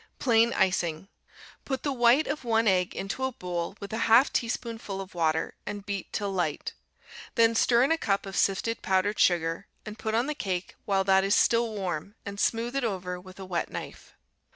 Plain Icing Put the white of one egg into a bowl with a half teaspoonful of water, and beat till light. Then stir in a cup of sifted powdered sugar, and put on the cake while that is still warm, and smooth it over with a wet knife.